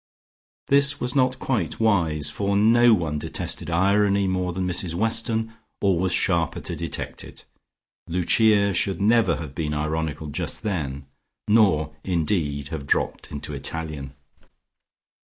This was not quite wise, for no one detested irony more than Mrs Weston, or was sharper to detect it. Lucia should never have been ironical just then, nor indeed have dropped into Italian.